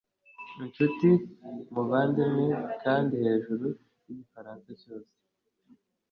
inshuti, muvandimwe, kandi hejuru yigifaransa cyose